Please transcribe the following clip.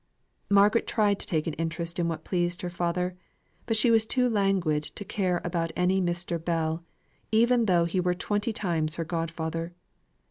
Margaret tried to take an interest in what pleased her father; but she was too languid to care about any Mr. Bell, even though he were twenty times her godfather.